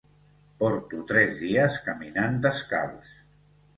Porto tres dies caminant descalç.